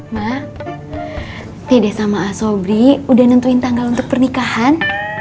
ma nih deh sama asobri udah nentuin tanggal untuk pernikahan